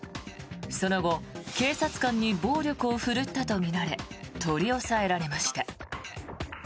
その後警察官に暴力を振るったとみられ取り押さえられました。